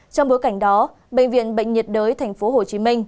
trong bối cảnh đó bệnh viện bệnh nhiệt đới tp hcm